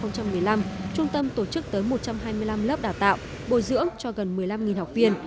giai đoạn hai nghìn một mươi một hai nghìn một mươi năm trung tâm tổ chức tới một trăm hai mươi năm lớp đả tạo bồi dưỡng cho gần một mươi năm học viên